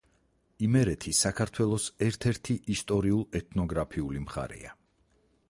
იმერეთი საქართველოს ერთ-ერთი ისტორიულ-ეთნოგრაფიული მხარეა.